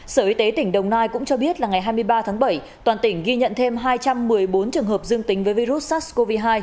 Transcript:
sở y tế tỉnh đồng nai cũng cho biết là ngày hai mươi ba tháng bảy toàn tỉnh ghi nhận thêm hai trăm một mươi bốn trường hợp dương tính với virus sars cov hai